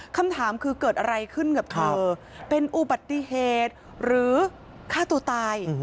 คำถามคือเกิดอะไรขึ้นกับเธอเป็นอุบัติเหตุหรือฆ่าตัวตาย